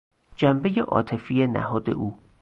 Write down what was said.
جنبهی عاطفی نهاد او